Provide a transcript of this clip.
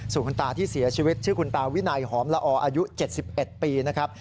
ส่วนคุณตาที่เสียชีวิตชื่อคุณตาวินัยหอมละออายุ๗๑ปีนะครับ